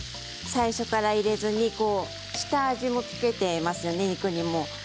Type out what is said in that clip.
最初から入れずに下味も付けていますね、肉にも。